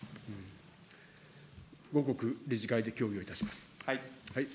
後刻、理事会で協議をいたします。